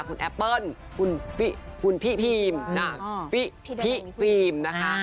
คุณแอปเปิ้ลคุณฟิคุณพี่ภีมฟิฟิฟีมนะคะ